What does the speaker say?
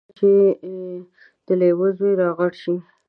کله چې د لیوه زوی را غټ شي.